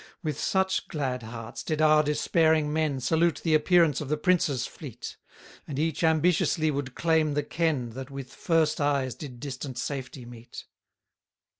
111 With such glad hearts did our despairing men Salute the appearance of the prince's fleet; And each ambitiously would claim the ken, That with first eyes did distant safety meet.